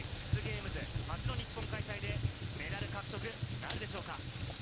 ＸＧａｍｅｓ初の日本開催でメダル獲得なるでしょうか。